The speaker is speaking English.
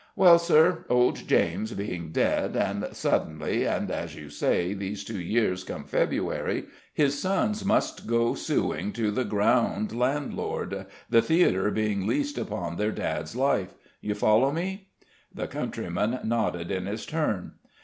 Well, Sir, old James being dead, and suddenly, and (as you say) these two years come February, his sons must go suing to the ground landlord, the theatre being leased upon their dad's life. You follow me?" The countryman nodded in his turn.